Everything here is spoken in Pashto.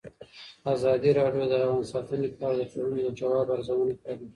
ازادي راډیو د حیوان ساتنه په اړه د ټولنې د ځواب ارزونه کړې.